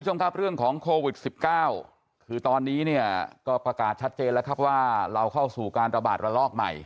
คุณผู้ชมครับเรื่องของโควิด๑๙คือตอนนี้เนี่ยก็ประกาศชัดเจนแล้วครับว่าเราเข้าสู่การระบาดระลอกใหม่